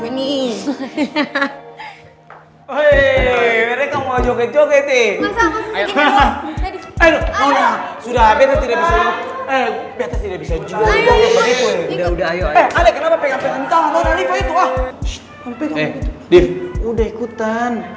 gue butuh dikoper juga nih